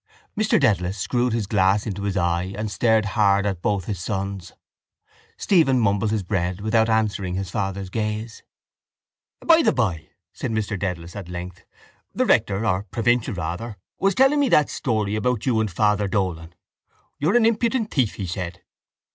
Mr Dedalus screwed his glass into his eye and stared hard at both his sons. Stephen mumbled his bread without answering his father's gaze. —By the bye, said Mr Dedalus at length, the rector, or provincial rather, was telling me that story about you and Father Dolan. You're an impudent thief, he said.